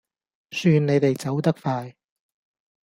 算你哋走得快